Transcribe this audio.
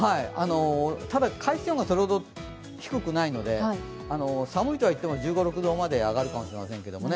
ただ、海水温がそれほど低くないので、寒いとはいっても１５１６度ぐらいまでは上がるかもしれませんね。